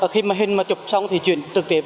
khi mà hình mà chụp xong thì chuyển trực tiếp